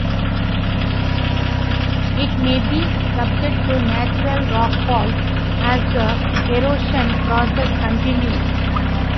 It may be subject to natural rockfalls as the erosion process continues.